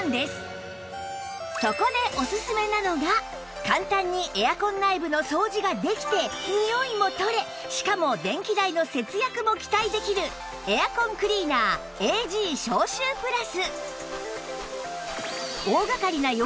そこでおすすめなのが簡単にエアコン内部の掃除ができてにおいも取れしかも電気代の節約も期待できるエアコンクリーナー ＡＧ 消臭プラス